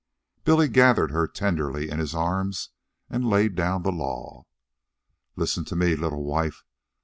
But Billy gathered her tenderly in his arms and laid down the law. "Listen to me, little wife.